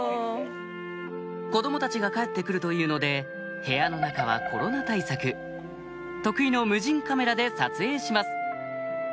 子供たちが帰って来るというので部屋の中はコロナ対策得意の無人カメラで撮影します